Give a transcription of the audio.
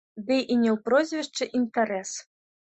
Ды і не ў прозвішчы інтарэс!